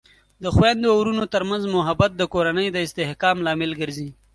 د خویندو او ورونو ترمنځ محبت د کورنۍ د استحکام لامل ګرځي.